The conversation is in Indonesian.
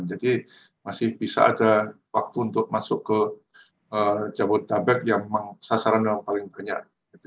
jadi masih bisa ada waktu untuk masuk ke jabodetabek yang memang sasaran yang paling kenyak